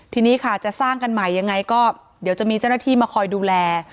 ทีนี้ค่ะจะสร้างกันใหม่ยังไงก็เดี๋ยวจะมีเจ้าหน้าที่มาคอยดูแล